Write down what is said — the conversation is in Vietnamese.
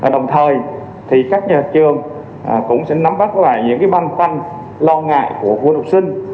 đồng thời các nhà trường cũng sẽ nắm bắt lại những banh toanh lo ngại của quân học sinh